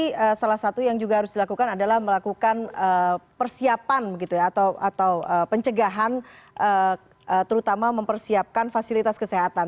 jadi salah satu yang juga harus dilakukan adalah melakukan persiapan atau pencegahan terutama mempersiapkan fasilitas kesehatan